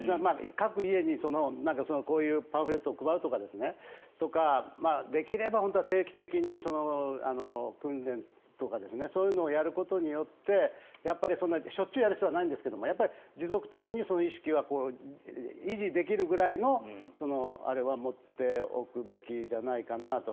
各家にこういうパンフレットを配るとかできれば本当は定期的に訓練とかそういうのをやることによってしょっちゅうやる必要はないんですがやっぱり持続的に意識は維持できるぐらいのあれは持っておくべきじゃないかなと。